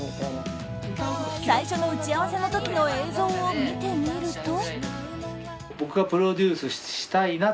最初の打ち合わせの時の映像を見てみると。